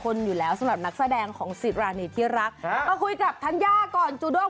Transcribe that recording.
คนอยู่แล้วสำหรับนักแสดงของสิรานีที่รักอ่ามาคุยกับธัญญาก่อนจูด้ง